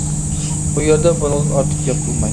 بۇ يەردە بۇنىڭدىن ئارتۇق گەپ قىلماي.